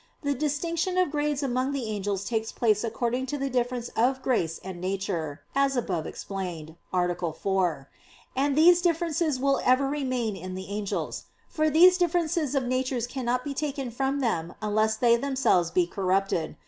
The distinction of grades among the angels takes place according to the difference of grace and nature, as above explained (A. 4); and these differences will ever remain in the angels; for these differences of natures cannot be taken from them unless they themselves be corrupted.